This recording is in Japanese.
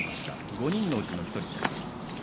５人のうちの１人です。